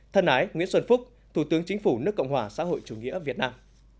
thân ái nguyễn xuân phúc thủ tướng chính phủ nước cộng hòa xã hội chủ nghĩa việt nam